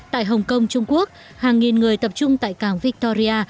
tại hồng kông trung quốc hàng nghìn người tập trung tại cảng victoria